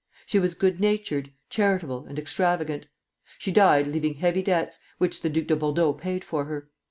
She was good natured, charitable, and extravagant. She died leaving heavy debts, which the Duc de Bordeaux paid for her.